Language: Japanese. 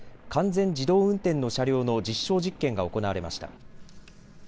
完全自動運転の車両の実証実験が行われました。